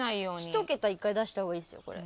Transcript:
１桁１回出した方がいいですよこれ。